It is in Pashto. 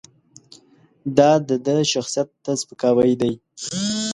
دا د ده شخصیت ته سپکاوی دی.